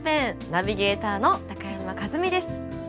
ナビゲーターの高山一実です。